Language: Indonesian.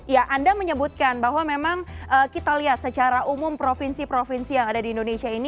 ya anda menyebutkan bahwa memang kita lihat secara umum provinsi provinsi yang ada di indonesia ini